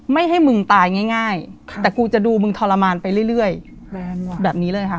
ไม่ให้มึงตายง่ายแต่กูจะดูมึงทรมานไปเรื่อยแบบนี้เลยค่ะ